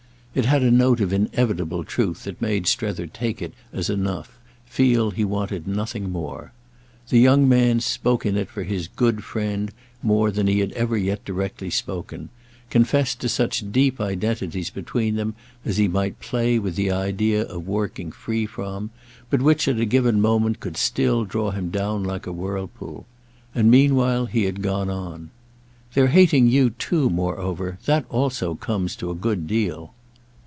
It had a note of inevitable truth that made Strether take it as enough, feel he wanted nothing more. The young man spoke in it for his "good friend" more than he had ever yet directly spoken, confessed to such deep identities between them as he might play with the idea of working free from, but which at a given moment could still draw him down like a whirlpool. And meanwhile he had gone on. "Their hating you too moreover—that also comes to a good deal."